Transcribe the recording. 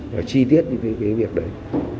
và chi tiết về cái việc đấy